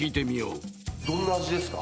どんな味ですか？